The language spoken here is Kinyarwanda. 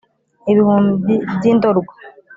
ibihumbi by’i ndorwa